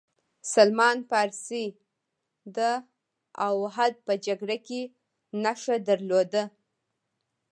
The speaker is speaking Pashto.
سلمان فارسي داوحد په جګړه کې نښه درلوده.